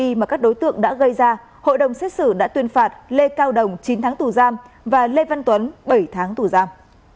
khi mà các đối tượng đã gây ra hội đồng xét xử đã tuyên phạt lê cao đồng chín tháng tù giam và lê văn tuấn bảy tháng tù giam